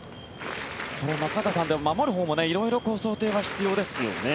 これ、松坂さんでも、守るほうも色々、想定は必要ですよね。